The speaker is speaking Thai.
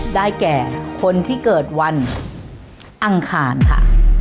ได้แก่คนที่เกิดวันอังคารค่ะ